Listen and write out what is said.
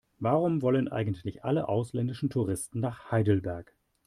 Warum wollen eigentlich alle ausländischen Touristen nach Heidelberg?